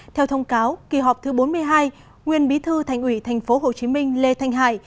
theo thông cáo kỳ họp thứ bốn mươi hai nguyên bí thư thành ủy tp hcm lê thanh hải